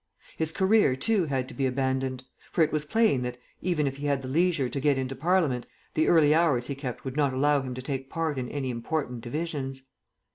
His career, too, had to be abandoned; for it was plain that, even if he had the leisure to get into Parliament, the early hours he kept would not allow him to take part in any important divisions.